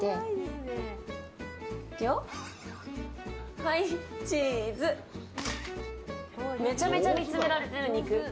はい、チーズ！めちゃめちゃ見つめられている肉。